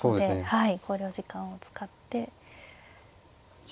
はい。